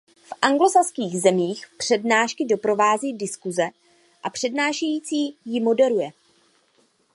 V anglosaských zemích přednášky doprovází diskuse a přednášející ji moderuje.